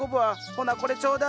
ほなこれちょうだい！